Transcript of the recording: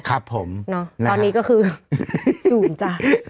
ครับผมนะตอนนี้ก็คือสูงจาน